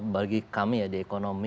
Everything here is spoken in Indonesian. bagi kami ya di ekonomi